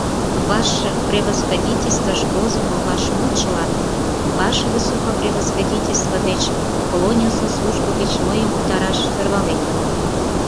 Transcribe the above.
“Ваше превосходительствыш возымо вашмутшылан Ваше высокопревосходительство деч колонийысе службо гыч мыйым утараш сӧрвален йодам.